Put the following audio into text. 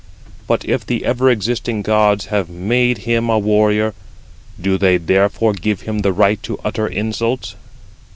But if the ever existing gods have made him a warrior, do they therefore give him the right to utter insults?"